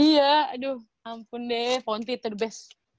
iya aduh ampun deh ponti terbes